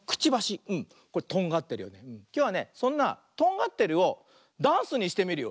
きょうはねそんな「とんがってる」をダンスにしてみるよ。